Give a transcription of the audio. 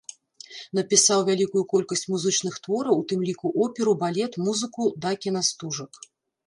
Напісаў вялікую колькасць музычных твораў, у тым ліку оперу, балет, музыку да кінастужак.